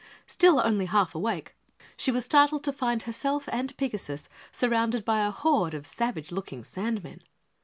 Still only half awake, she was startled to find herself and Pigasus surrounded by a horde of savage looking sandmen.